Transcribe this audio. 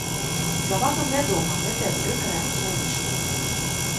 Славакам вядома гэтая прыкрая акалічнасць.